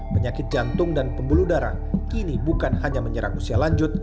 penyakit jantung dan pembuluh darah kini bukan hanya menyerang usia lanjut